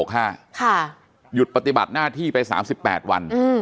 หยุดปฏิบัติหน้าที่ไป๓๘วัน